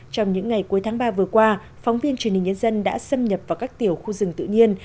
trong những ngày cuối tháng ba vừa qua phóng viên truyền hình nhân dân đã xâm nhập vào các tiểu khu rừng tự nhiên